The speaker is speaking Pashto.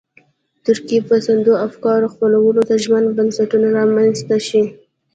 ترقي پسندو افکارو خپرولو ته ژمن بنسټونه رامنځته شي.